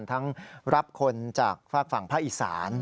ทั้งรับคนจากฝั่งพระอีสาน